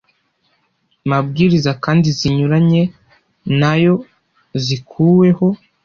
mabwiriza kandi zinyuranye nay o zikuweho